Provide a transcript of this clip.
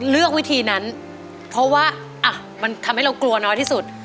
เลือกวิธีนั้นเพราะว่าอ่ะมันทำให้เรากลัวน้อยที่สุด